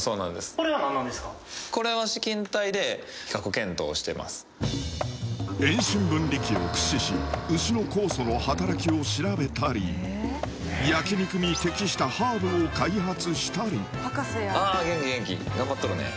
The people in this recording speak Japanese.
これは何なんですか？を駆使し牛の酵素の働きを調べたり焼肉に適したハーブを開発したりあ元気元気頑張っとるね。